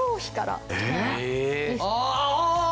ああ！